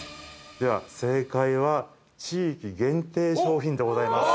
◆正解は、地域限定商品でございます。